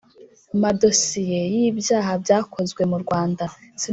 madosiye y'ibyaha byakozwe mu rwanda